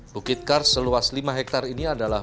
bukit kars seluas lima hektare ini adalah